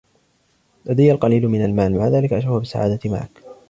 لدي القليل من المال, مع ذلك اشعر بالسعادة معك.